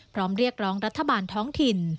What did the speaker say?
เรียกร้องรัฐบาลท้องถิ่น